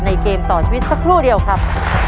เกมต่อชีวิตสักครู่เดียวครับ